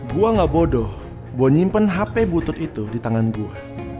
gua gak bodoh buat nyimpen hp butut itu di tangan gua